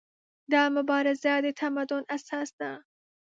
دا مبارزه د تمدن اساس ده.